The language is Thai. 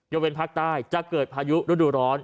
ยวนเวียนภาคใต้จะเกิดพายุรุดร้อน